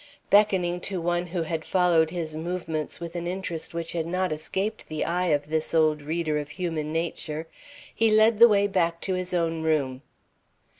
Beckoning to one who had followed his movements with an interest which had not escaped the eye of this old reader of human nature, he led the way back to his own room.